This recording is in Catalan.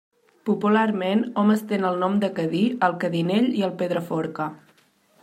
Popularment hom estén el nom de Cadí al Cadinell i al Pedraforca.